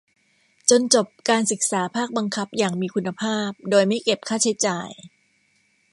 จนจบการศึกษาภาคบังคับอย่างมีคุณภาพ โดยไม่เก็บค่าใช้จ่าย